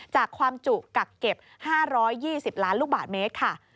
จากความจุกักเก็บ๕๒๐ล้านลูกบาทเมตรค่ะ